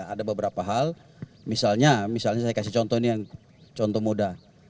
ada beberapa hal misalnya saya kasih contoh ini yang contoh muda